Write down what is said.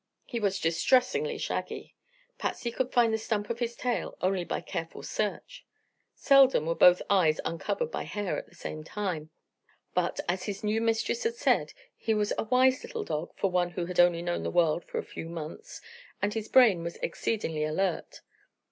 He was distressingly shaggy. Patsy could find the stump of his tail only by careful search. Seldom were both eyes uncovered by hair at the same time. But, as his new mistress had said, he was a wise little dog for one who had only known the world for a few months, and his brain was exceedingly alert.